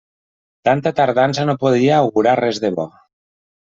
Tanta tardança no podia augurar res de bo.